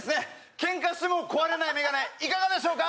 けんかしても壊れない眼鏡いかがでしょうか？